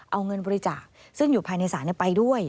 เอาเงินบริจาคซึ่งอยู่ภายในศาลไปด้วย